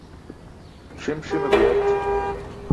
Ṣim ṣime guyarći.